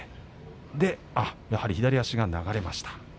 で、やはり左足が流れました。